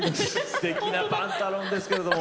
すてきなパンタロンですけれども。